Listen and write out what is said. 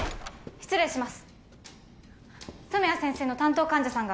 失礼します